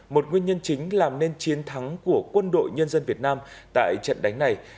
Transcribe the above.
một nguyên nhân chính làm nên chiến thắng của quân đội nhân dân việt nam tại trận đánh này